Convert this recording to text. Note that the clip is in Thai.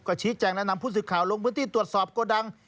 ก็ชี้แจงและนำผู้สื่อข่าวลงพื้นที่ตรวจสอบโกดัง